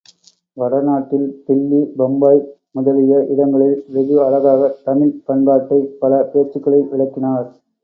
வட நாட்டில், தில்லி, பம்பாய் முதலிய இடங்களில் வெகு அழகாகத் தமிழ்ப் பண்பாட்டைப் பல பேச்சுக்களில் விளக்கினார்.